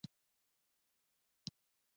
آزاد تجارت مهم دی ځکه چې تخصص هڅوي.